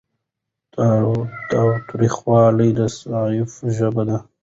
تاوتریخوالی د تعصب ژبه ده